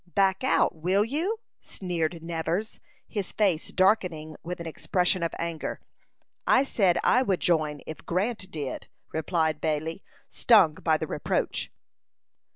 "Back out will you?" sneered Nevers, his face darkening with an expression of anger. "I said I would join if Grant did," replied Bailey, stung by the reproach.